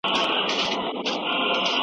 الوتکه د وريځو تر شا البوته.